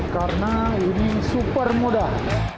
karena ini super mudah